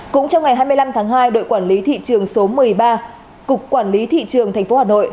cũng trong ngày hai mươi năm tháng hai đội quản lý thị trường số một mươi ba cục quản lý thị trường tp hà nội